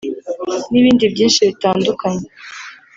n’ibindi byinshi bitandukanye